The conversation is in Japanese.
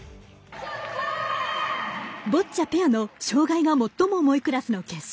ボッチャペアの障がいのもっとも重いクラスの決勝。